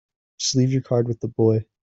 Just leave your card with the boy.